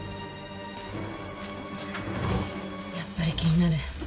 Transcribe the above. やっぱり気になる。